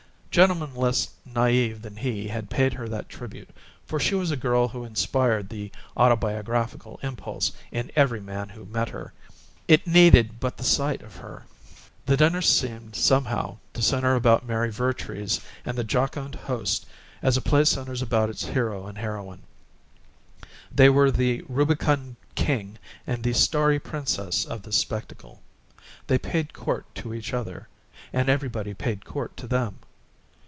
Gentlemen less naive than he had paid her that tribute, for she was a girl who inspired the autobiographical impulse in every man who met her it needed but the sight of her. The dinner seemed, somehow, to center about Mary Vertrees and the jocund host as a play centers about its hero and heroine; they were the rubicund king and the starry princess of this spectacle they paid court to each other, and everybody paid court to them.